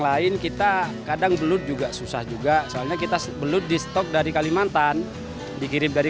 lain kita kadang belut juga susah juga soalnya kita belut di stok dari kalimantan dikirim dari